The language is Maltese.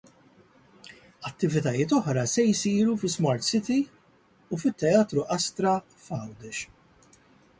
Attivitajiet oħra se jsiru fi Smart City u fit-Teatru Astra f'Għawdex.